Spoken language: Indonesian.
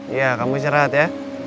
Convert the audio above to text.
iya kamu sih rahat ya